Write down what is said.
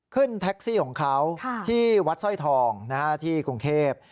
ขึ้นแท็กซี่ของเขาที่วัดสร้อยทองที่กรุงเทพ